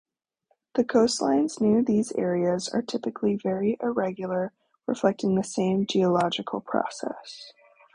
The coastlines near these areas are typically very irregular, reflecting the same geological process.